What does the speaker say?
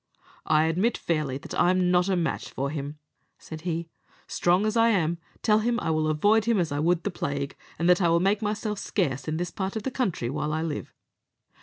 "I admit fairly that I'm not a match for him," said he, "strong as I am; tell him I will avoid him as I would the plague, and that I will make myself scarce in this part of the country while I live."